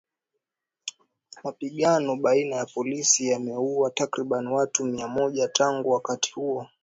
Mapigano baina ya polisi yameuwa takriban watu mia moja tangu wakati huo